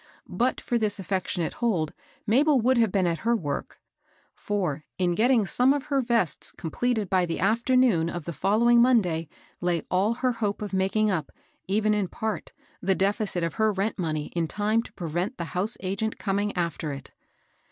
But for this affectionate hold, Mabel would have been at her work ; for, in getting some of her vests completed by the afternoon of the following Monday, lay all her hope of making up, even in THE FIRST FLOOR LODGER. 277 part, the deficit of her rent money in time to pre vent the house agent coming after it.